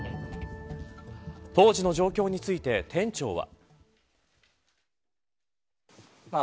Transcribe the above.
当時の状況について店長は。